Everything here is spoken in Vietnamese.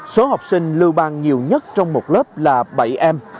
số học sinh lưu bang nhiều nhất trong một lớp là bảy em